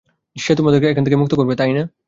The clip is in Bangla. সে আমাদেরকে এখান থেকে মুক্ত করবে, তাই না?